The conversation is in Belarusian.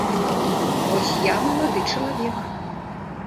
Вось я малады чалавек.